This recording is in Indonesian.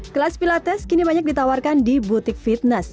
kelas pilates kini banyak ditawarkan di butik fitness